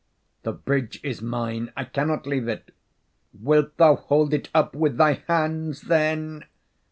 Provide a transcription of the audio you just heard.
"The bridge is mine; I cannot leave it." "Wilt thou hold it up with thy hands, then?"